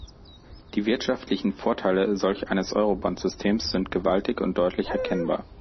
Die wirtschaftlichen Vorteile solch eines Eurobondsystems sind gewaltig und deutlich erkennbar.